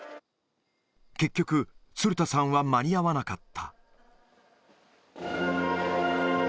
結局、鶴田さんは間に合わなかった。